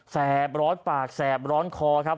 แบร้อนปากแสบร้อนคอครับ